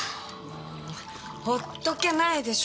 もうほっとけないでしょ。